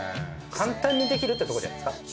簡単にできるってとこじゃないっすか？